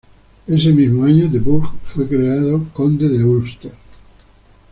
Ese mismo año De Burgh fue creado conde de Ulster.